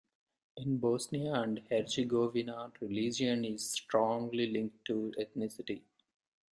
In Bosnia and Herzegovina religion is strongly linked to ethnicity.